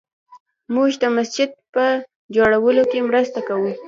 موږ د مسجد په جوړولو کې مرسته کوو